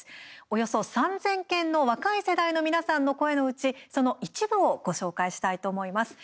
およそ３０００件の若い世代の皆さんの声のうち一部をご紹介したいと思います。